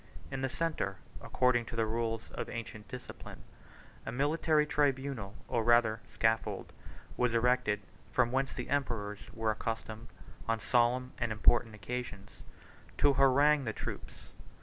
In the centre, according to the rules of ancient discipline, a military tribunal, or rather scaffold, was erected, from whence the emperors were accustomed, on solemn and important occasions, to harangue the troops.